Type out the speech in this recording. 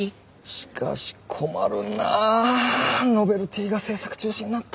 しかし困るなノベルティが製作中止になったら。